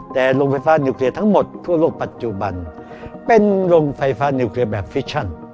แต่โรงไฟฟ้านิวเคลียร์ทั้งหมดทั่วโลกปัจจุบันเป็นโรงไฟฟ้านิวเคลียร์แบบฟิชชั่น